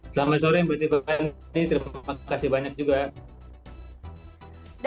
selamat sore mbak tiffany terima kasih banyak juga